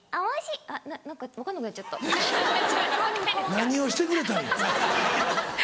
何をしてくれたんや。